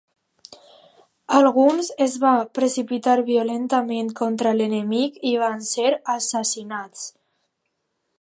Alguns es va precipitar violentament contra l'enemic i van ser assassinats.